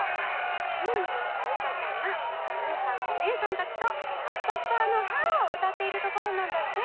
くもにのったうたちゃんがおにいさんおねえさんたちと「はっぱっぱのハーッ！」をうたっているところなんだって。